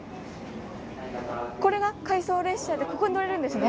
これが回送列車でここに乗れるんですね？